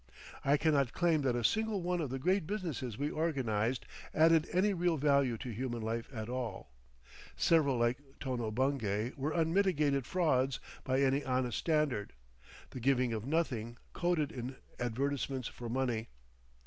I cannot claim that a single one of the great businesses we organised added any real value to human life at all. Several like Tono Bungay were unmitigated frauds by any honest standard, the giving of nothing coated in advertisements for money.